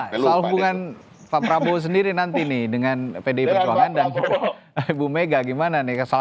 nah soal hubungan pak prabowo sendiri nanti nih dengan pdi perjuangan dan ibu mega gimana nih